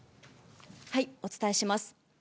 お伝えします。